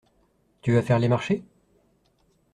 Tu vas faire les marchés?